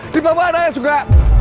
di bawah anaknya juga